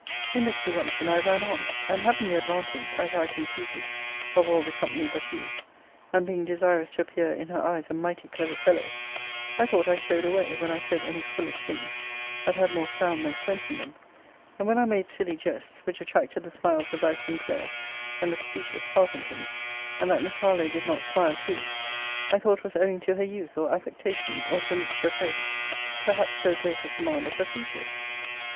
In this presumption I ran on; and having the advantage, as I conceited, of all the company but you, and being desirous to appear in her eyes a mighty clever fellow, I thought I showed away, when I said any foolish things that had more sound than sense in them; and when I made silly jests, which attracted the smiles of thy Sinclair, and the specious Partington: and that Miss Harlowe did not smile too, I thought was owing to her youth or affectation, or to a mixture of both, perhaps to a greater command of her features.